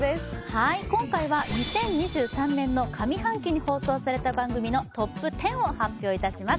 はい今回は２０２３年の上半期に放送された番組のＴＯＰ１０を発表いたします